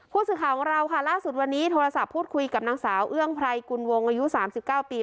ผู้สื่อข่าวของเราค่ะล่าสุดวันนี้โทรศัพท์พูดคุยกับนางสาวเอื้องไพรกุลวงอายุ๓๙ปี